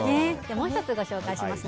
もう１つご紹介します。